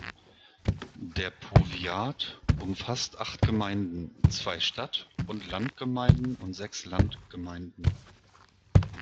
Der Powiat umfasst acht Gemeinden, zwei Stadt- und Landgemeinden und sechs Landgemeinden.